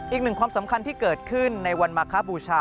อีกหนึ่งความสำคัญที่เกิดขึ้นในวันมาคบูชา